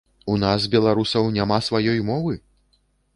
У нас, беларусаў, няма сваёй мовы?